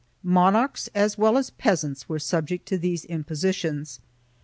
1 Mon archs as well as peasants were subject to these impositions.